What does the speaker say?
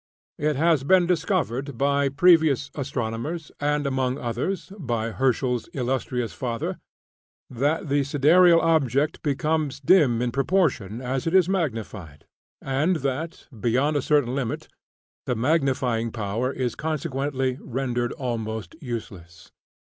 It has been discovered by previous astronomers and among others, by Herschel's illustrious father, that the sidereal object becomes dim in proportion as it is magnified, and that, beyond a certain limit, the magnifying power is consequently rendered almost useless.